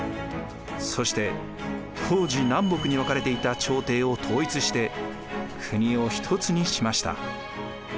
そして当時南北に分かれていた朝廷を統一して国を一つにしました。